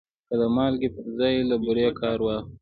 که د مالګې پر ځای له بورې کار واخلو؟